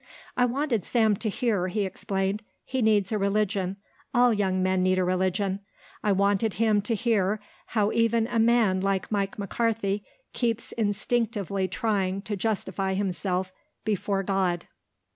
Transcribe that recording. "I wanted Sam to hear," he explained. "He needs a religion. All young men need a religion. I wanted him to hear how even a man like Mike McCarthy keeps instinctively trying to justify himself before God."